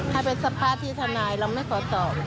ถ้าเป็นสภาษณ์ที่ธนายเราไม่ขอตอบ